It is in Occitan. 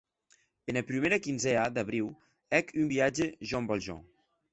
Ena prumèra quinzèa d’abriu hec un viatge Jean Valjean.